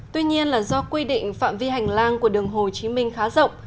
tuy nhiên là do quy định phạm vi hành lang của đường hồ chí minh khá rộng